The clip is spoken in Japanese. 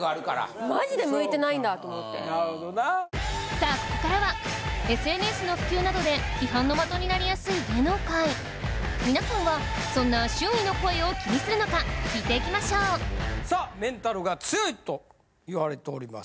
さあここからはＳＮＳの普及などで批判の的になりやすい芸能界みなさんはそんな周囲の声を気にするのか聞いていきましょうさあメンタルが強いと言われております